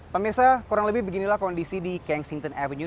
pemirsa kurang lebih beginilah kondisi di kensington avenue